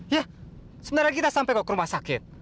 ya sebentar lagi kita sampai kok ke rumah sakit